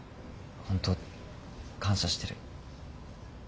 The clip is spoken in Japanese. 本当感謝してる。